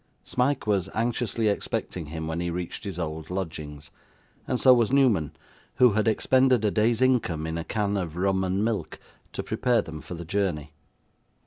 Smike was anxiously expecting him when he reached his old lodgings, and so was Newman, who had expended a day's income in a can of rum and milk to prepare them for the journey.